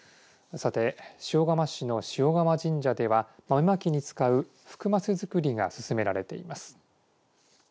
さて、塩釜市の塩釜神社では豆まきに使う福升作りが進められています。